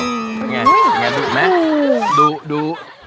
ยังไงดูไหมดู